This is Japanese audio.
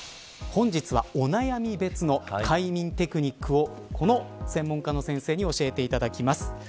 本日はお悩み別の快眠テクニックを専門家の先生に教えていただきます。